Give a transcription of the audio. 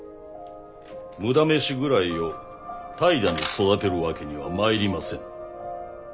無駄飯食らいを怠惰に育てるわけにはまいりませぬ。